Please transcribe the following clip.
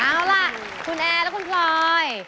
เอาล่ะคุณแอร์และคุณพลอย